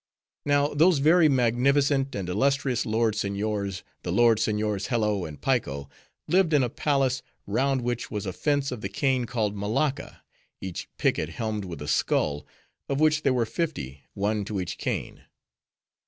Now, those very magnificent and illustrious lord seigniors, the lord seigniors Hello and Piko, lived in a palace, round which was a fence of the cane called Malacca, each picket helmed with a skull, of which there were fifty, one to each cane.